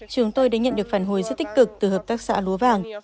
chúng tôi đã nhận được phản hồi rất tích cực từ hợp tác xã lúa vàng